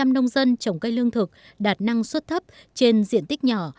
tám mươi nông dân trồng cây lương thực đạt năng suất thấp trên diện tích nhỏ